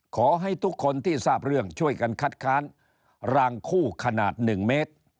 ขอให้ทุกคนที่ทราบเรื่องช่วยกันคัดค้านรางคู่ขนาด๑เมตร